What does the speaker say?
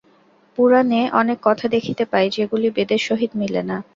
পুরাণে অনেক কথা দেখিতে পাই, যেগুলি বেদের সহিত মিলে না।